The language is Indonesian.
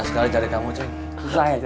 susah banget cik